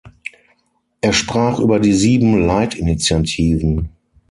Er sprach über die sieben Leitinitiativen.